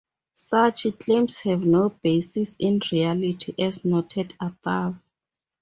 Such claims have no basis in reality, as noted above.